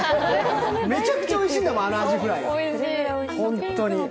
めちゃくちゃおいしいんだも、あのアジフライがホントに。